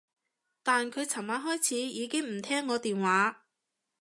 但佢噚晚開始已經唔聽我電話